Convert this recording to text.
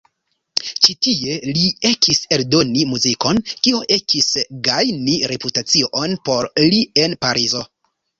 Ĉi tie li ekis eldoni muzikon, kio ekis gajni reputacion por li en Parizo.